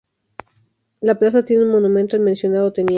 La plaza tiene un monumento al mencionado teniente.